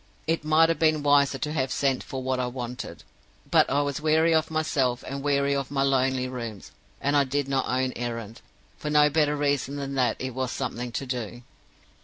It might have been wiser to have sent for what I wanted. But I was weary of myself, and weary of my lonely rooms; and I did my own errand, for no better reason than that it was something to do.